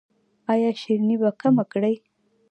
ایا شیریني به کمه کړئ؟